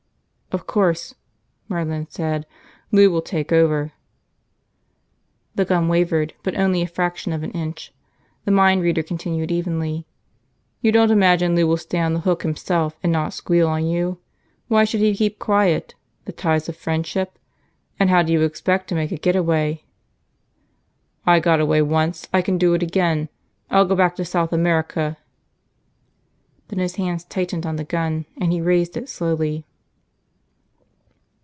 "Of course," Merlin said. "Lou will take over." The gun wavered, but only a fraction of an inch. The mind reader continued evenly, "You don't imagine Lou will stay on the hook himself and not squeal on you? Why should he keep quiet? The ties of friendship? And how do you expect to make a getaway?" "I got away once. I can do it again. I'll go back to South America." Then his hands tightened on the gun, and he raised it slowly.